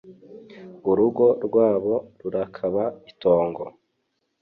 Urugo rwabo rurakaba itongo